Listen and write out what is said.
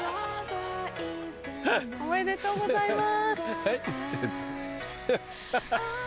おめでとうございます！